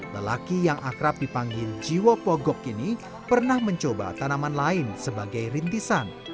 lelaki yang akrab dipanggil jiwo pogok ini pernah mencoba tanaman lain sebagai rintisan